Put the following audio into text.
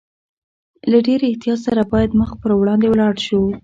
له ډېر احتیاط سره باید مخ پر وړاندې ولاړ شو.